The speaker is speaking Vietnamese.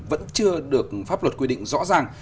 vẫn chưa được pháp luật quy định rõ ràng